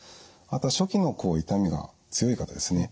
あと初期の痛みが強い方ですね。